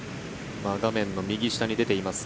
画面の右下に出ています